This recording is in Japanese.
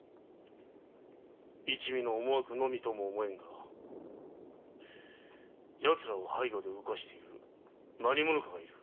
一味の思惑のみとも思えんがやつらを背後で動かしている何者かが居る。